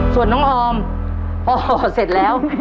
ส่วนน้องออมพอเสร็จแล้ว